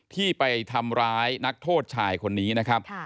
ที่ไปทำร้ายนักโทษชายคนนี้นะครับ